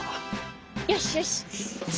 よしよし。